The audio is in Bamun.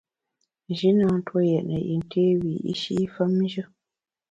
Nji na ntue yètne yin té wiyi’shi femnjù.